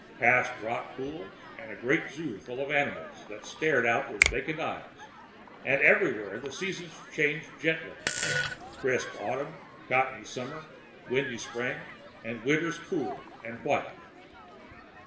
Past rock pools and a great zoo full of animals that stared out of vacant eyes; and everywhere, the seasons changing gently: crisp autumn, cottony summer, windy spring and winters cool and white....